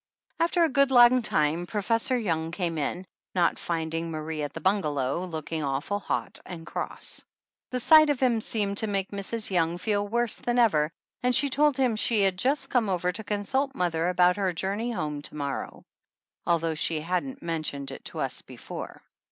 After a good long time Professor Young came in, not finding Marie at the bungalow, looking awful hot and cross. The sight of him seemed to make Mrs. Young feel worse than ever and she told him she had just come over to consult mother about her journey home to morrow, although she hadn't mentioned it to us before.